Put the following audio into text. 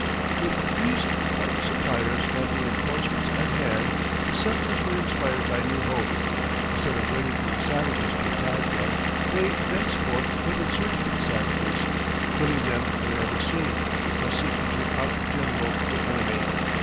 With these important supplies and reenforcements at hand the settlers were inspired by new hope. Instead of waiting for the savages to attack them, they thenceforth went in search of the savages, killing them wherever seen, thus seeking to outgeneral the enemy.